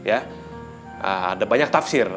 ada banyak tafsir